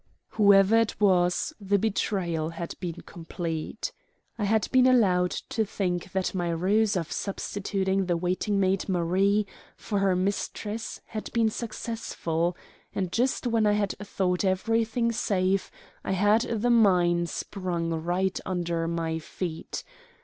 Whoever it was, the betrayal had been complete. I had been allowed to think that my ruse of substituting the waiting maid Marie for her mistress had been successful; and just when I had thought everything safe I had the mine sprung right under my feet.